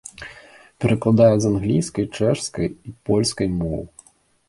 Перакладае з англійскай, чэшскай і польскай моў.